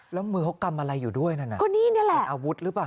แล้วมือเขากำอะไรอยู่ด้วยนั่นน่ะก็นี่นี่แหละอาวุธหรือเปล่า